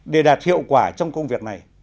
để đạt hiệu quả trong công việc này